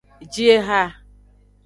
Ji eha.